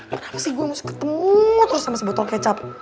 kenapa sih gue mesti ketemu terus sama si botol kecap